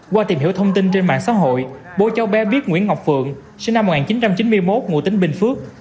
qua tìm hiểu thông tin trên mạng xã hội bố cháu bé biết nguyễn ngọc phượng sinh năm một nghìn chín trăm chín mươi một ngụ tính bình phước